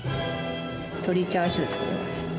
鶏チャーシュー作ります。